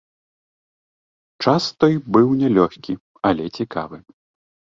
Час той быў нялёгкі, але цікавы.